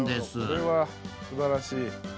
それはすばらしい。